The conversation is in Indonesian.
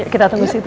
kita tunggu disitu